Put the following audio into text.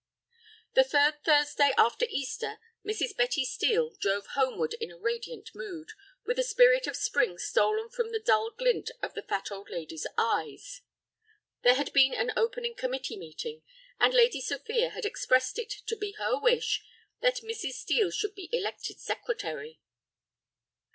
The third Thursday after Easter Mrs. Betty Steel drove homeward in a radiant mood, with the spirit of spring stolen from the dull glint of a fat old lady's eyes. There had been an opening committee meeting, and Lady Sophia had expressed it to be her wish that Mrs. Steel should be elected secretary.